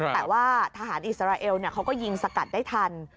แต่ว่าทหารอิสราเอลเขาก็ยิงสกัดได้ทัน